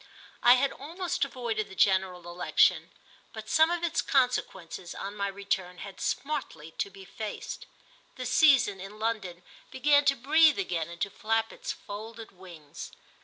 VI I HAD almost avoided the general election, but some of its consequences, on my return, had smartly to be faced. The season, in London, began to breathe again and to flap its folded wings.